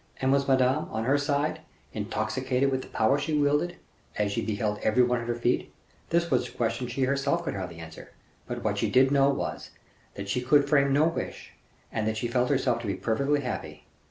And was Madame, on her side, intoxicated with the power she wielded, as she beheld every one at her feet? This was a question she herself could hardly answer; but what she did know was, that she could frame no wish, and that she felt herself to be perfectly happy.